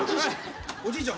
おじいちゃん